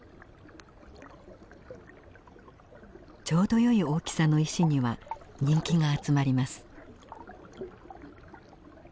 ちょうどよい大きさの石には人気が集まります。